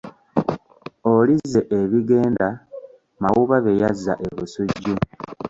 Olizze ebigenda Mawuba bye yazza e Busujju.